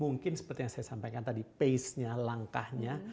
mungkin seperti yang saya sampaikan tadi pacenya langkahnya